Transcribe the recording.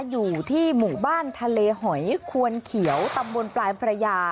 อยู่ที่หมู่บ้านทะเลหอยควนเขียวตำบลปลายพระยา